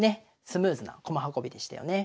スムーズな駒運びでしたよね。